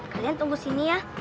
kalian tunggu sini ya